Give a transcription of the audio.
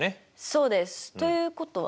そうです！ということは？